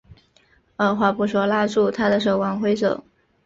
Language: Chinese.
二话不说拉住她的手往回走